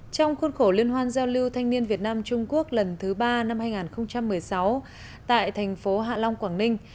trong khuôn khổ liên hoan giao lưu thanh niên việt nam trung quốc lần thứ ba năm hai nghìn một mươi sáu tại thành phố hạ long quảng ninh